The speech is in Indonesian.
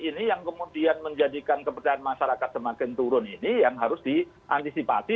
ini yang kemudian menjadikan kepercayaan masyarakat semakin turun ini yang harus diantisipasi